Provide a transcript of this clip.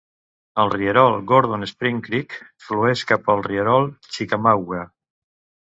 El rierol Gordon Spring Creek flueix cap al rierol Chickamauga.